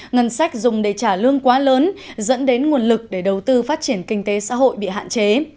ngân sách dùng để trả lương quá lớn dẫn đến nguồn lực để đầu tư phát triển kinh tế xã hội bị hạn chế